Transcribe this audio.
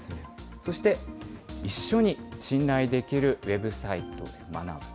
そして一緒に信頼できるウェブサイトで学ぶと。